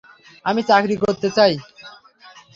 আমি চাকরি করতে চাই।